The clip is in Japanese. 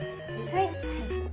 はい。